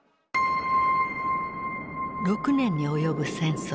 ６年に及ぶ戦争。